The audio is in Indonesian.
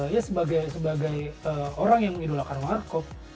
ya sebagai orang yang mengidolakan warkop